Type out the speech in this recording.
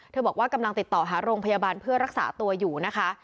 บอกว่ากำลังติดต่อหาโรงพยาบาลเพื่อรักษาตัวอยู่นะคะ